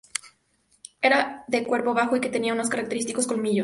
Era de cuerpo bajo y tenía unos característicos colmillos.